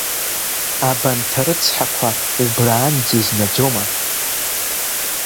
Абанҭ арыцҳақәа, убранӡа изнаӡома?!